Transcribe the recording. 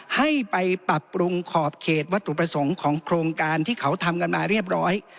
ให้ไปปรับปรุงขอบเขตวัตถุประสงค์ของโครงการที่เขาทำกันมาเรียบร้อย